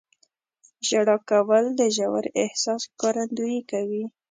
• ژړا کول د ژور احساس ښکارندویي کوي.